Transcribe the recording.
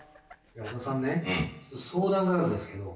小田さん相談があるんですけど。